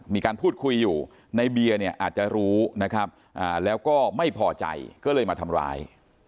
มีการพูดคุยอยู่ในเบียร์เนี่ยอาจจะรู้นะครับแล้วก็ไม่พอใจก็เลยมาทำร้าย